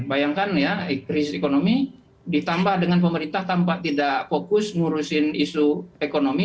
bayangkan ya krisis ekonomi ditambah dengan pemerintah tampak tidak fokus ngurusin isu ekonomi